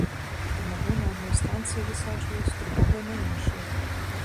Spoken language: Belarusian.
Аднаго на адной станцыі высаджваюць, другога на іншай.